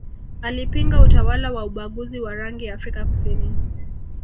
alipinga utawala wa ubaguzi wa rangi Afrika kusini